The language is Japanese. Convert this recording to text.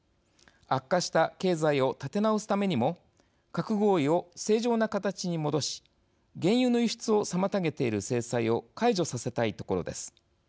悪化した経済を立て直すためにも核合意を正常な形に戻し原油の輸出を妨げている制裁を解除させたいところです。